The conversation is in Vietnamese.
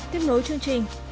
tiếp nối chương trình